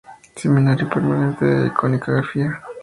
Seminario Permanente de Iconografía.